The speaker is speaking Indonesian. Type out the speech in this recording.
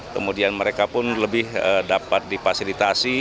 kemudian mereka pun lebih dapat difasilitasi